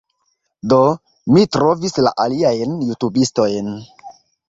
Do, mi trovis la aliajn jutubistojn